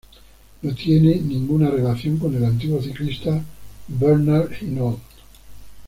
No tiene ninguna relación con el antiguo ciclista Bernard Hinault.